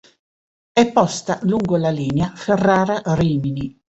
È posta lungo la linea Ferrara–Rimini.